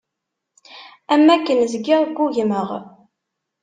Am akken zgiɣ ggugmeɣ.